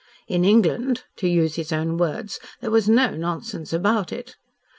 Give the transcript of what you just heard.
"In England," to use his own words, "there was no nonsense about it."